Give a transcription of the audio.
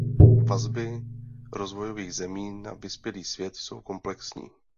Vazby rozvojových zemí na vyspělý svět jsou komplexní.